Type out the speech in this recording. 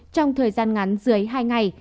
trong thời gian ngắn dưới hai ngày